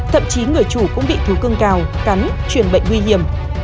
thậm chí người chủ cũng bị thú cưng cào cắn truyền bệnh nguy hiểm